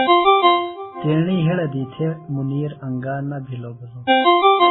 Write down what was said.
تیݨی ہِڑہ دی تھےۡ مُنیر انگا نہ بِھلوۡ بِھلوۡ۔